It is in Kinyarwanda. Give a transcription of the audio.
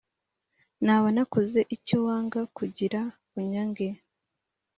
Naba nakoze icyo wanga kugira unyange